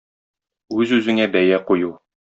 Үз-үзеңә бәя кую.